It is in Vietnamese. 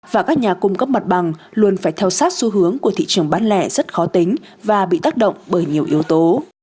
và các nhà cung cấp mặt bằng luôn phải theo sát xu hướng của thị trường bán lẻ rất khó tính và bị tác động bởi nhiều yếu tố